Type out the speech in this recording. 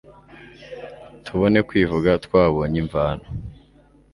Tubone kwivuga twabonye imvano